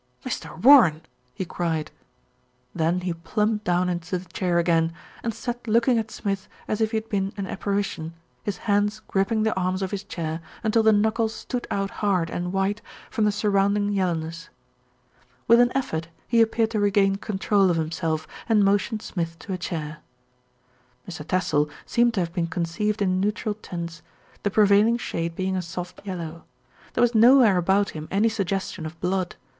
"Mr. Warren!" he cried. Then he plumped down into the chair again, and sat looking at Smith as if he had been an apparition, his hands gripping the arms of his chair until the knuckles stood out hard and white from the surrounding yellow ness. With an effort he appeared to regain control of him self and motioned Smith to a chair. Mr. Tassell seemed to have been conceived in neu tral tints, the prevailing shade being a soft yellow. There was nowhere about him any suggestion of blood.